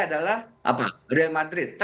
adalah real madrid